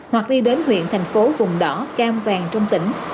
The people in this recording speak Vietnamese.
hoặc đi đến huyện thành phố vùng đỏ cam vàng trong tỉnh